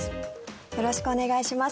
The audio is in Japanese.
よろしくお願いします。